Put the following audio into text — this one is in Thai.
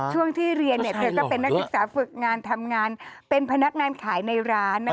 ช่วงที่เรียนเธอก็เป็นนักศึกษาฝึกงานทำงานเป็นพนักงานขายในร้าน